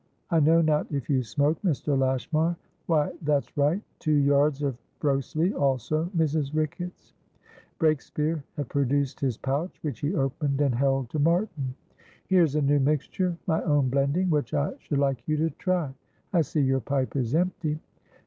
I know not if you smoke, Mr. Lashmar? Why, that's right. Two yards of Broseley also, Mrs. Ricketts." Breakspeare had produced his pouch, which he opened and held to Martin. "Here's a new mixture, my own blending, which I should like you to try. I see your pipe is empty."